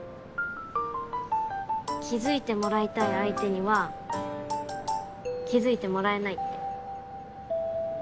気付いてもらいたい相手には気付いてもらえないって。